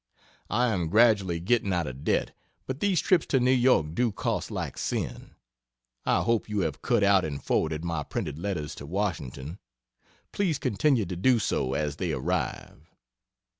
I am gradually getting out of debt, but these trips to New York do cost like sin. I hope you have cut out and forwarded my printed letters to Washington please continue to do so as they arrive.